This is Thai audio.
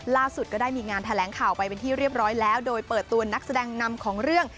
ก็ได้มีงานแถลงข่าวไปเป็นที่เรียบร้อยแล้วโดยเปิดตัวนักแสดงนำของเรื่อง